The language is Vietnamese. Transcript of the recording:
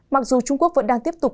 mặc dù trung quốc vẫn đang tiếp tục